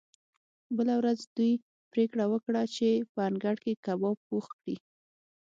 بله ورځ دوی پریکړه وکړه چې په انګړ کې کباب پخ کړي